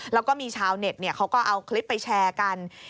แล้วก็มีชาวเน็ตเขาก็เอาคลิปไปแชร์กัน